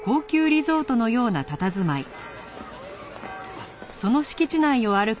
あっ。